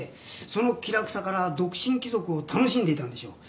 その気楽さから独身貴族を楽しんでいたんでしょう。